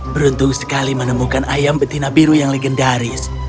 beruntung sekali menemukan ayam betina biru yang legendaris